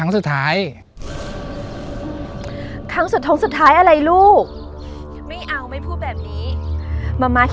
จนถึงวันนี้มาม้ามีเงิน๔ปี